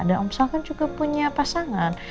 dan om sal kan juga punya pasangan